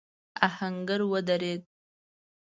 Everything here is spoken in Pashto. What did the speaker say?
آهنګر ودرېد.